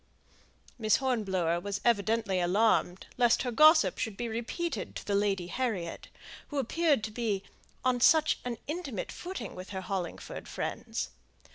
'" Miss Hornblower was evidently alarmed lest her gossip should be repeated to the Lady Harriet, who appeared to be on such an intimate footing with her Hollingford friends.